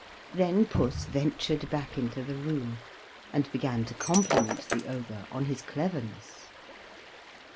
Then Puss ventured back into the room, and began to compliment the Ogre on his cleverness.